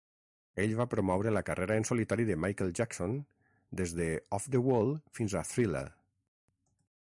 Ell va promoure la carrera en solitari de Michael Jackson des de "Off the Wall" fins a "Thriller".